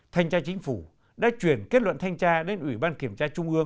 thanh tra chính phủ đã chuyển kết luận thanh tra đến ủy ban chính phủ